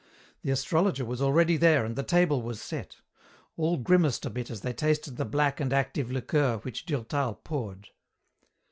The astrologer was already there and the table was set. All grimaced a bit as they tasted the black and active liqueur which Durtal poured.